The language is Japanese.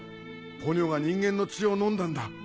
ポニョが人間の血を飲んだんだ。